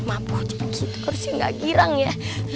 maaf gue cuma gitu harusnya gak girang ya